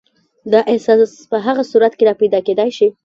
دا احساس په هغه صورت کې راپیدا کېدای شي.